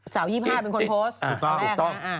สุดต้อนนะอ่ะอ่าสุดต้อนสุดต้อน